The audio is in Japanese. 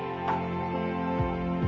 あっ。